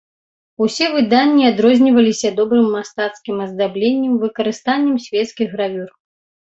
Усе выданні адрозніваліся добрым мастацкім аздабленнем, выкарыстаннем свецкіх гравюр.